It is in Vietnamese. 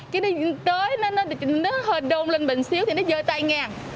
cái nó tới nó hơi đôn lên bình xíu thì nó dơ tay ngang